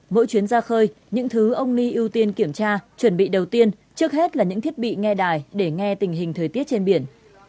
mỗi chuyến ra khơi những thứ ông ni ưu tiên kiểm tra chuẩn bị đầu tiên trước hết là những thiết bị nghe đài để nghe tình hình thời tiết trên biển